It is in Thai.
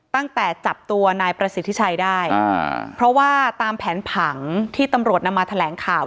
ตั้งแต่จับตัวนายประสิทธิชัยได้เพราะว่าตามแผนผังที่ตำรวจนำมาแถลงข่าว